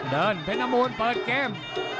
เดินเพนมูลเปิดเกม